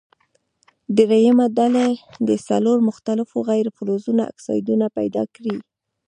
دریمه ډله دې څلور مختلفو غیر فلزونو اکسایدونه پیداکړي.